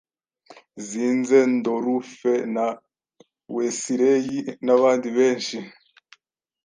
Zinzendorufe na Wesileyi n’abandi benshi,